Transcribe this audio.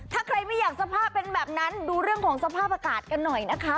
ถ้าใครไม่อยากสภาพเป็นแบบนั้นดูเรื่องของสภาพอากาศกันหน่อยนะคะ